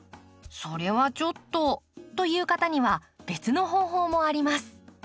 「それはちょっと」という方には別の方法もあります。